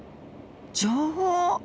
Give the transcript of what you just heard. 情報？